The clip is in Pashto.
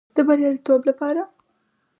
د بریالیتوب لپاره